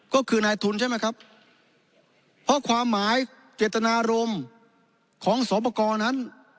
ก็คือนายทุนใช่ไหมครับเพราะความหมายเจตนารมณ์ของสวปกรนั้น